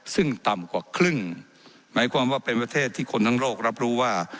ซึ่งต่ำกว่าครึ่งหมายความว่าเป็นประเทศที่คนทั้งโลกรับรู้ว่า